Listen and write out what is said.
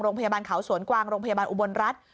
โรงพยาบาลเขาสวนกวางโรงพยาบาลอุบลรัฐ